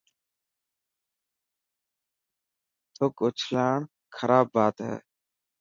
ٿڪ اوچلاڻ خراب بات هي.